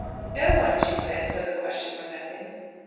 "No one," she said, as though the question were nothing.